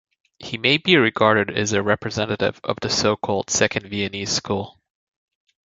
He may be regarded as a representative of the so-called Second Viennese School.